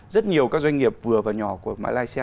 rất nhiều các doanh nghiệp vừa và nhỏ của malaysia